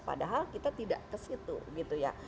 padahal kita tidak ke situ gitu ya